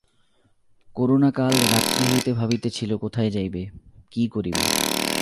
করুণা কাল রাত্রি হইতে ভাবিতেছিল কোথায় যাইবে, কী করিবে।